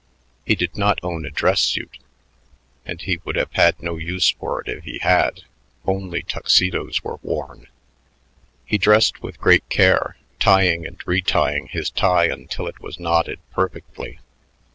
He did not own a dress suit, and he would have had no use for it if he had; only Tuxedos were worn. He dressed with great care, tying and retying his tie until it was knotted perfectly.